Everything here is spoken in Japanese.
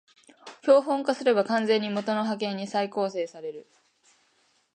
標本化すれば完全に元の波形に再構成される